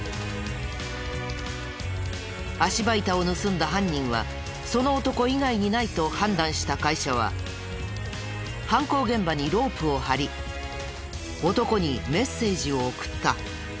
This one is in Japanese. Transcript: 足場板を盗んだ犯人はその男以外にないと判断した会社は犯行現場にロープを張り男にメッセージを送った。